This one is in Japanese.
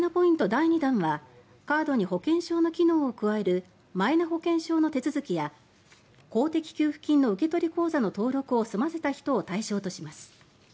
第２弾はカードに保険証の機能を加えるマイナ保険証の手続きや公的給付金の受け取り口座の登録を済ませた人を対象とします。